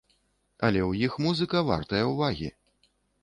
Але ў іх музыка вартая ўвагі.